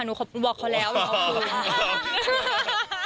หนูบอกเค้าแล้วถูกเอาคืน